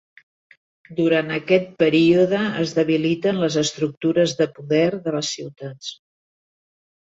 Durant aquest període es debiliten les estructures de poder de les ciutats.